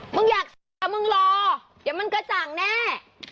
มึงอยากมึงรอเดี๋ยวมันกระจ่างแน่